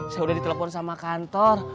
saya udah ditelepon sama kantor